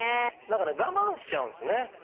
何かね我慢しちゃうんですね。